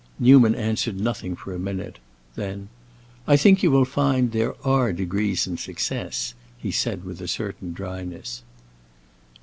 Newman answered nothing for a minute. Then, "I think you will find there are degrees in success," he said with a certain dryness.